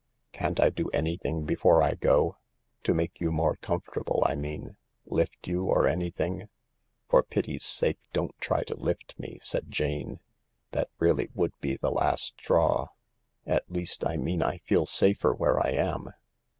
"Can't I do anything before I go ? To make you more comfortable, I mean— lift you, or anything ?"" For pity's sake don't try to lift me," said Jane ;" that I really would be the last straw. At least, I mean I feel safer where I am.